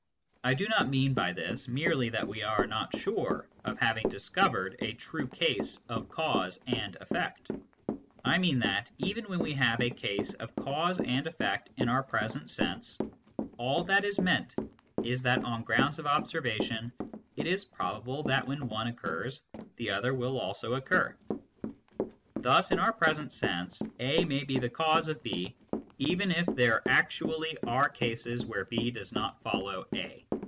I do not mean by this merely that we are not sure of having discovered a true case of cause and effect ; I mean that, even when we have a case of cause and effect in our present sense, all that is meant is that on grounds of observation, it is probable that when one occurs the other will also occur. Thus in our present sense, A may be the cause of B even if there actually are cases where B does not follow A.